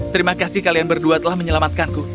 terima kasih kalian berdua telah menyelamatkanku